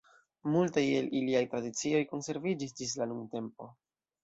Multaj el iliaj tradicioj konserviĝis ĝis la nuntempo.